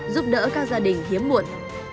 giúp đỡ các gia đình hiếm muộn